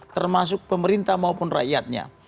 termasuk pemerintah maupun rakyatnya